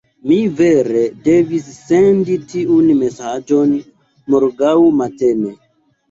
Mi vere devis sendi tiun mesaĝon morgaŭ matene.